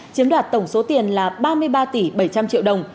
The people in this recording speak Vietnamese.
chiếm đoạt tổng số tiền là ba mươi ba tỷ bảy trăm linh triệu đồng